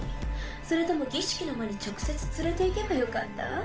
それとも儀式の間に直接連れていけばよかった？